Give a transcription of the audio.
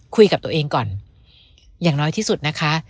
คุยกับตัวเองก่อนอย่างน้อยที่สุดนะคะ